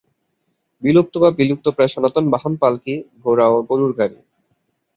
বিলুপ্ত বা বিলুপ্তপ্রায় সনাতন বাহন পাল্কি, ঘোড়া ও গরুর গাড়ি।